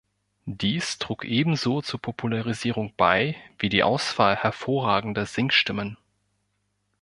Dies trug ebenso zur Popularisierung bei wie die Auswahl hervorragender Singstimmen.